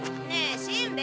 しんべヱ。